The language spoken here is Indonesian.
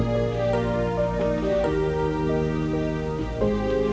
saya mau bicara